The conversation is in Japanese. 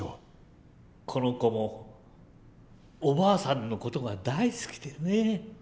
この子もおばあさんの事が大好きでね。